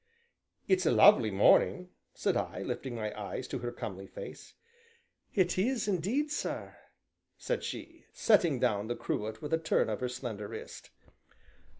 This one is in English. "It's a lovely morning!" said I, lifting my eyes to her comely face. "It is indeed, sir," said she, setting down the cruet with a turn of her slender wrist.